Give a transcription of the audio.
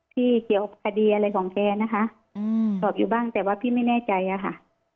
ที่เกี่ยวกับคดีอะไรของแกนะคะสอบอยู่บ้างแต่ว่าพี่ไม่แน่ใจอะค่ะ